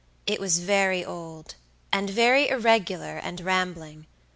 It was very old, and very irregular and rambling.